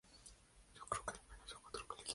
Aunque luego esto no fue confirmado.